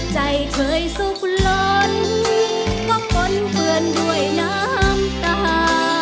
ใจเคยสุขล้นก็ปนเปื้อนด้วยน้ำตา